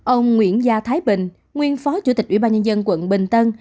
ông nguyễn gia thái bình nguyên phó chủ tịch ubnd quận bình tân